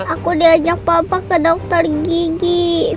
aku diajak bapak ke dokter gigi